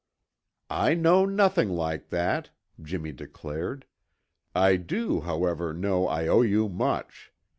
"I know nothing like that," Jimmy declared. "I do, however, know I owe you much.